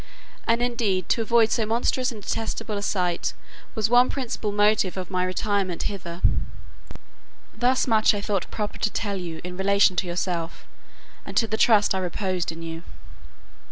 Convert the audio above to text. And indeed to avoid so monstrous and detestable a sight was one principal motive of my retirement hither. Thus much I thought proper to tell you in relation to yourself, and to the trust I reposed in you.